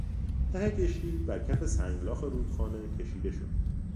ته کشتی بر کف سنگلاخ رودخانه کشیده شد.